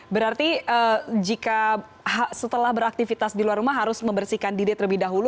berarti jika setelah beraktivitas di luar rumah harus membersihkan dide terlebih dahulu